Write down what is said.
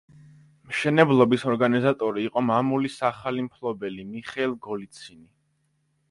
მშენებლობის ორგანიზატორი იყო მამულის ახალი მფლობელი მიხეილ გოლიცინი.